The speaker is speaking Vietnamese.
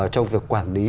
trong việc quản lý